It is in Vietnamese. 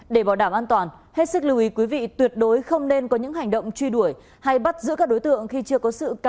để bảo đảm an toàn hết sức lưu ý quý vị tuyệt đối không nên có những hành động truy đuổi hay bắt giữ các đối tượng khi chưa có sự can thiệp của lực lượng công an